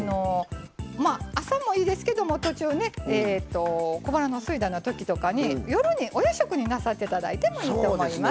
まあ朝もいいですけども途中小腹のすいたような時とかに夜にお夜食になさって頂いてもいいと思います。